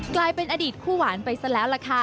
กลายเป็นอดีตคู่หวานไปซะแล้วล่ะค่ะ